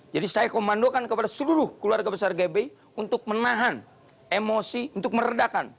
jadi saya komandokan kepada seluruh keluarga besar gmbh untuk menahan emosi untuk meredakan